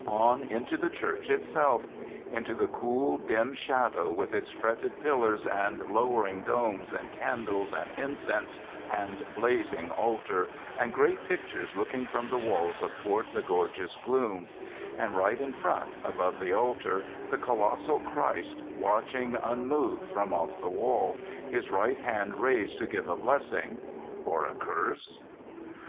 On into the church itself! Into the cool dim shadow, with its fretted pillars, and lowering domes, and candles, and incense, and blazing altar, and great pictures looking from the walls athwart the gorgeous gloom; and right in front, above the altar, the colossal Christ watching unmoved from off the wall, his right hand raised to give a blessing—or a curse?